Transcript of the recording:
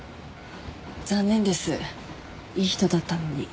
残念ですいい人だったのに。